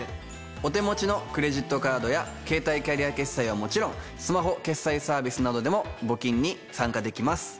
お手持ちのクレジットカードや携帯キャリア決済はもちろんスマホ決済サービスなどでも募金に参加できます。